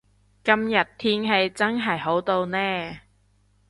今日天氣真係好到呢